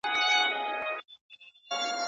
که درمل ونه کارول شي حالت به خراب شي.